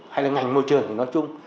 hay là ngành môi trường nói chung